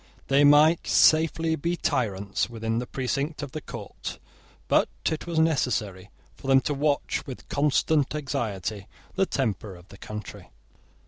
They might safely be tyrants, within the precinct of the court: but it was necessary for them to watch with constant anxiety the temper of the country.